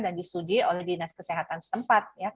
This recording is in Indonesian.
dan disuduhi oleh dinas kesehatan sempat